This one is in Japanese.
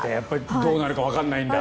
どうなるかわからないんだ。